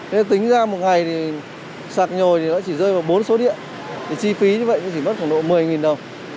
nên tính ra một ngày thì sạc nhồi thì nó chỉ rơi vào bốn số điện chi phí như vậy nó chỉ mất tầm độ một mươi đồng